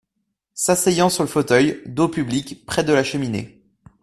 S’asseyant sur le fauteuil, dos au public, près de la cheminée.